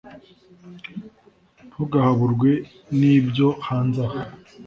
Ntugahaburwe n’ibyo hanze aha